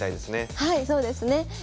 はいそうですね。